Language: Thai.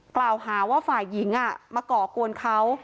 กล่าวหาว่าฝ่ายหญิงมาก่อกวนเขา